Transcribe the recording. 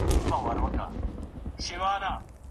دا ښځه که کڼه نه وای نو يو څه به يې اورېدلي وای .